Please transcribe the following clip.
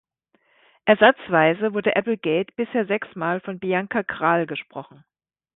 Ersatzweise wurde Applegate bisher sechsmal von Bianca Krahl gesprochen.